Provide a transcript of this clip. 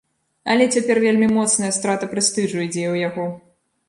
Але цяпер вельмі моцная страта прэстыжу ідзе ў яго!